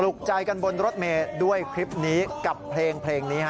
ใจกันบนรถเมย์ด้วยคลิปนี้กับเพลงนี้ฮะ